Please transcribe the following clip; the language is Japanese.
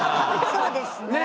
そうですねえ。